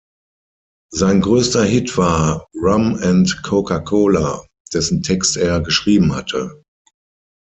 Sein größter Hit war "Rum and Coca-Cola", dessen Text er geschrieben hatte.